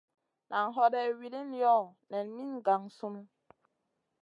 Nan hoday wilin yoh? Nen min gang sunu.